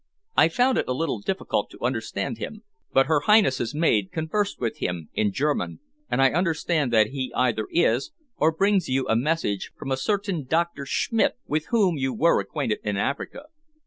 I found it a little difficult to understand him, but her Highness's maid conversed with him in German, and I understand that he either is or brings you a message from a certain Doctor Schmidt, with whom you were acquainted in Africa."